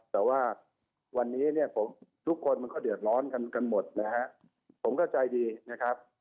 แต่ว่าวันนี้ทุกคนมันก็เดือดร้อนกันหมดนะครับผมเข้าใจดีนะครับ